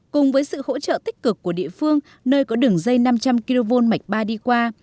cùng với sự hỗ trợ tích cực của địa phương nơi có đường dây năm trăm linh kv mạch ba đi qua